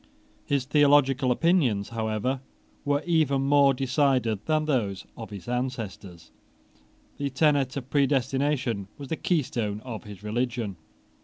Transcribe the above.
His theological opinions, however, were even more decided than those of his ancestors. The tenet of predestination was the keystone of his religion.